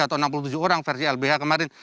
atau enam puluh tujuh orang versi lbh kemarin